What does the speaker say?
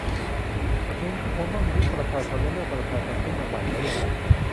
เอ็งก็คงต้องยุบประชาชนและเลือกประชาชนขึ้นมาใหม่แล้วแหละ